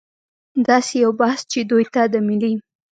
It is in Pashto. داسې یو بحث چې دوی ته د ملي